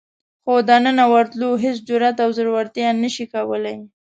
خو دننه ورتلو هېڅ جرئت او زړورتیا نشي کولای.